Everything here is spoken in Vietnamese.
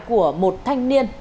của một thanh niên